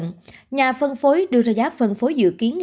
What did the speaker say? các nhà phân phối thuốc của stella farm sẽ được dùng cho f tại nhà